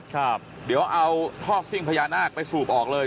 ครับเดี๋ยวเอาท่อซิ่งพญานาคไปสูบออกเลย